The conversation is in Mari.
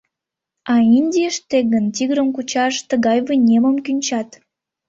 А Индийыште гын тигрым кучаш тыгай вынемым кӱнчат.